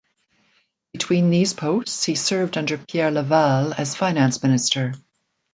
Between these posts he served under Pierre Laval as Finance Minister.